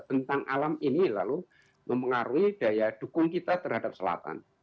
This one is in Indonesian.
tentang alam ini lalu mempengaruhi daya dukung kita terhadap selatan